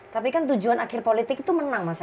tapi kan tujuan akhir politik itu menang mas ya